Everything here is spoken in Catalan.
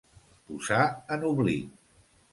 Posar en oblit.